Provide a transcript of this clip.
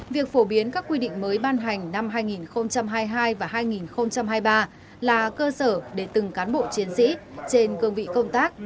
việc phổ biến các quy định mới ban hành năm hai nghìn hai mươi hai và hai nghìn hai mươi ba là cơ sở để từng cán bộ chiến sĩ trên cương vị công tác